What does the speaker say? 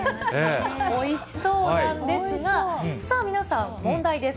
おいしそうなんですが、さあ皆さん、問題です。